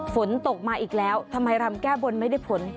ฝนตกมาอีกแล้วทำไมรำแก้บนไม่ได้ผล